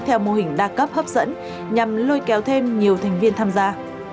theo mô hình đa cấp hấp dẫn nhằm lôi kéo thêm nhiều thành viên tham gia